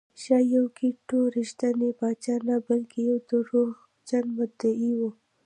ښایي یوکیت ټو رښتینی پاچا نه بلکې یو دروغجن مدعي و